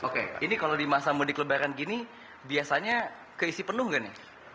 oke ini kalau di masa mudik lebaran gini biasanya keisi penuh nggak nih